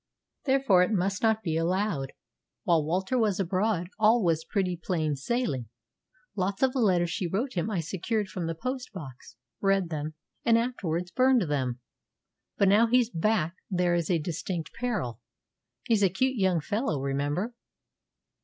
Therefore it must not be allowed. While Walter was abroad all was pretty plain sailing. Lots of the letters she wrote him I secured from the post box, read them, and afterwards burned them. But now he's back there is a distinct peril. He's a cute young fellow, remember."